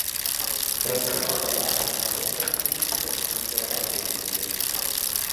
Расце па палях, агародах, пустках, на сыраватай глебе.